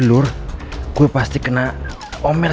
kalau kamu lewat masa jadi scene satu sama satu